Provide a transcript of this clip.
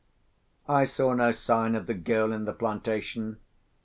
I saw no sign of the girl in the plantation.